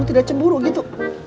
kamu tidak cemburu gitu